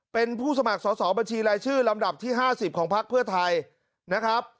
เป็นผู้สมัครสอบบัญชีรายชื่อลำดับที่๕๐ของพักเพื่อไทยนะครับ